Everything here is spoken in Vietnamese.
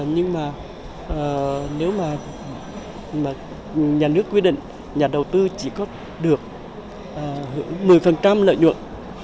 nhưng mà nếu mà nhà nước quyết định nhà đầu tư chỉ có được một mươi lợi nhuận